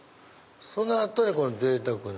その後にこのぜいたくな。